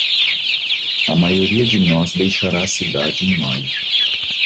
A maioria de nós deixará a cidade em maio.